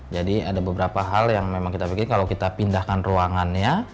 jadi ada beberapa hal yang memang kita pikir kalau kita pindahkan ruangannya